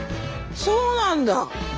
そうなんだ！